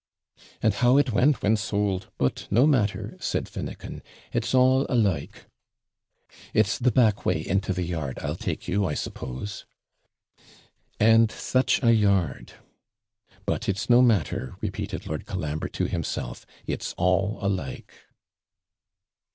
'And how it went, when sold! but no matter,' said Finnucan; 'it's all alike. It's the back way into the yard, I'll take you, I suppose.' And such a yard! 'But it's no matter,' repeated Lord Colambre to himself; 'it's all alike.'